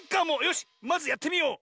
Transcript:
よしまずやってみよう！